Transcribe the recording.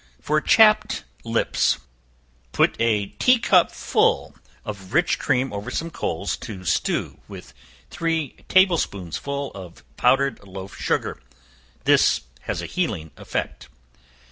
For Chapped Lips. Put a tea cupful of rich cream over some coals to stew with three table spoonsful of powdered loaf sugar. This has a healing effect.